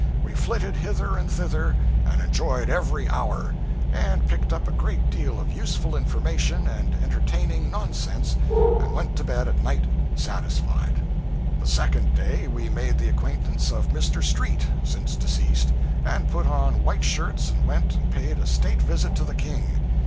We flitted hither and thither and enjoyed every hour, and picked up a great deal of useful information and entertaining nonsense, and went to bed at night satisfied. The second day, we made the acquaintance of Mr. Street (since deceased) and put on white shirts and went and paid a state visit to the king.